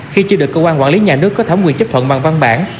khi chưa được cơ quan quản lý nhà nước có thẩm quyền chấp thuận bằng văn bản